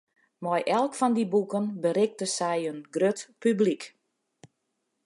Mei elk fan dy boeken berikte sy in grut publyk.